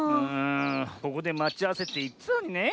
ここでまちあわせっていってたのにねえ